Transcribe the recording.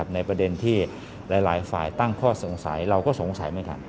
ในประเด็นที่หลายฝ่ายตั้งข้อสงสัยเราก็สงสัยเหมือนกัน